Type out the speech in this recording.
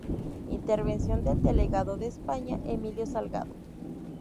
Intervención del delegado de España, Emilio Salgado.